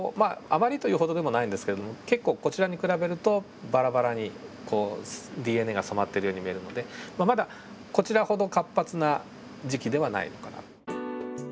あまりというほどでもないんですけれども結構こちらに比べるとバラバラにＤＮＡが染まっているように見えるのでまあまだこちらほど活発な時期ではないのかな。